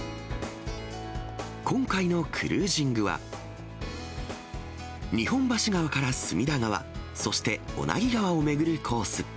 今回のクルージングは、日本橋川から墨田川、そして、小名木川を巡るコース。